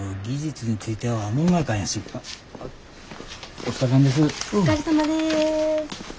お疲れさまです。